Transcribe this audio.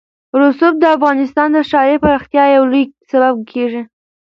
رسوب د افغانستان د ښاري پراختیا یو لوی سبب کېږي.